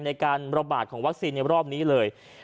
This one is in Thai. ในการระบาดของวัคซีนในรอบนี้เลย